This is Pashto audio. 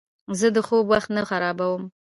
زه د خوب وخت نه خرابوم.